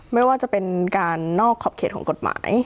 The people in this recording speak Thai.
ไม่ว่าจะเป็นการนอกขอบเขตของกฎหมาย